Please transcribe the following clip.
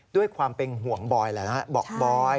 ด้วยความเป็นห่วงบอยแล้วนะบอกบอย